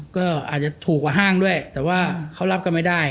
ก็อาจจะถูกกว่าห้างด้วยแต่ว่าเขารับกันไม่ได้